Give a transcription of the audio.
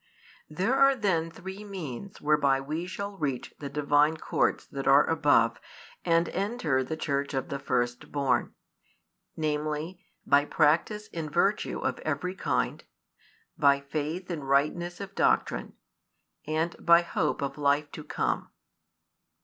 |242 There are then three means whereby we shall reach the Divine courts that are above and enter the Church of the firstborn; namely, by practice in virtue of every kind, by faith in rightness of doctrine, and by hope of life to come.